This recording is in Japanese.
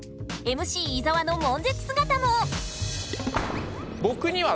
ＭＣ伊沢のもん絶